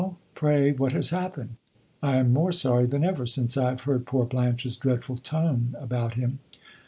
Pray, what has happened? I am more sorry than ever, since I have heard poor Blanche's dreadful tone about him."